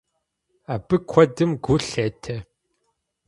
Абы куэдым гу лъетэ.